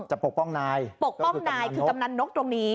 ปกป้องนายปกป้องนายคือกำนันนกตรงนี้